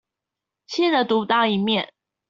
新人獨當一面